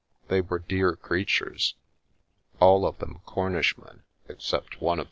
They were d I creatures; all of them Cornishmen, except one of .